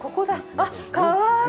あっ、かわいい。